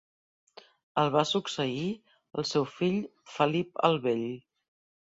El va succeir el seu fill Felip el Bell.